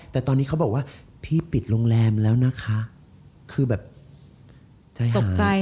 แต่ตอนนี้เขาบอกว่าพี่ปิดโรงแรมแล้วนะคะคือแบบตกใจ